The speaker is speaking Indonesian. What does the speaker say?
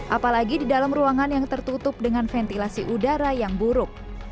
apalagi di dalam ruangan yang tertutup dengan ventilasi udara yang buruk